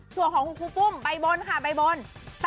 ส่วนของคุณครูปุ้มใบบนค่ะใบบน